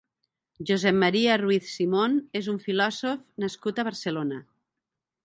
Josep Maria Ruiz Simón és un filòsof nascut a Barcelona.